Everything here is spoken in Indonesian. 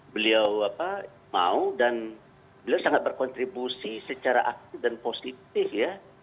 beliau mau dan beliau sangat berkontribusi secara aktif dan positif ya